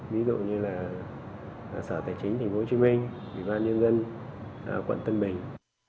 ví dụ như là sở tài chính tp hcm bị văn nhân dân quận tân bình